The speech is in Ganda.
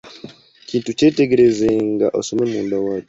Ekintu kyetegerezanga, osome munda waakyo.